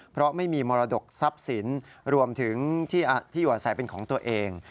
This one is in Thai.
เพราะไม่มีมรดกทรัพย์สินรวมถึงที่อยู่อาศัยเป็นของตัวเอง